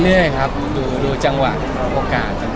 มีมีมีมีมีมีมีมีมีมี